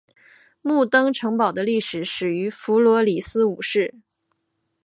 木登城堡的历史始于弗罗里斯五世。